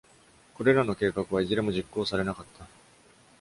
これらの計画はいずれも実行されなかった。